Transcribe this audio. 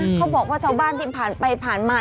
เขาบอกว่าเจ้าบ้านที่ผ่านไปผ่านมา